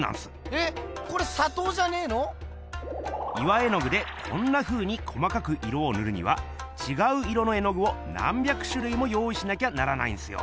えっこれさとうじゃねえの⁉岩絵具でこんなふうに細かく色をぬるにはちがう色の絵のぐを何百しゅるいも用いしなきゃならないんすよ。